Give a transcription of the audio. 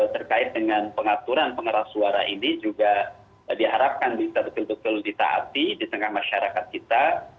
terkait dengan pengaturan pengeras suara ini juga diharapkan bisa betul betul ditaati di tengah masyarakat kita